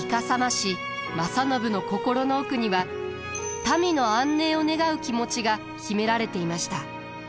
師正信の心の奥には民の安寧を願う気持ちが秘められていました。